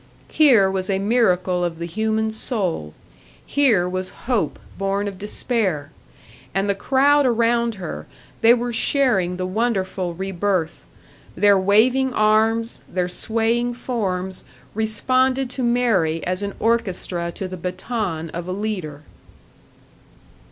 Here was a miracle of the human soul, here was hope born of despair! And the crowd around her they were sharing the wonderful rebirth; their waving arms, their swaying forms responded to Mary as an orchestra to the baton of a leader.